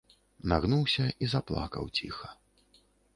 Нагнуўся і заплакаў ціха.